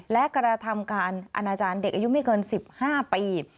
และกระทำการอนาจารย์เด็กอายุไม่เกิน๑๕ปี